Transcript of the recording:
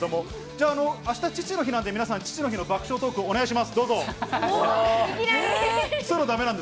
じゃああした、父の日なんで、皆さん、父の日の爆笑トーク、お願いします、いきなり？